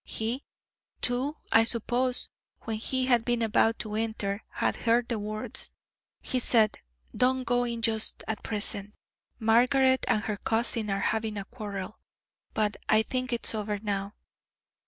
He, too, I suppose, when he had been about to enter, had heard the words. He said, 'Don't go in just at present, Margaret and her cousin are having a quarrel, but I think it's over now.'